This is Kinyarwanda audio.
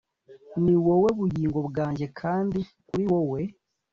niwowe bugingo bwanjye ,kandi kuriwowe